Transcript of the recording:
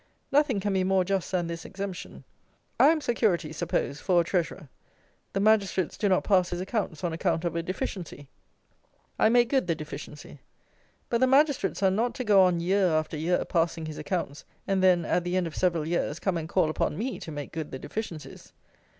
Nothing can be more just than this exemption. I am security, suppose, for a Treasurer. The Magistrates do not pass his accounts on account of a deficiency. I make good the deficiency. But the Magistrates are not to go on year after year passing his accounts, and then, at the end of several years, come and call upon me to make good the deficiencies.